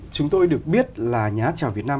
chúng tôi được biết là nhá trào việt nam